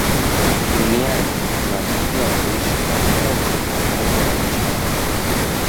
Duniani tunatakiwa kuishi kwa upendo umoja na mshikamano